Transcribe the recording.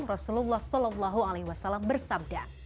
rasulullah s a w bersabda